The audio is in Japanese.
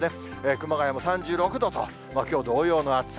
熊谷も３６度と、きょう同様の暑さ。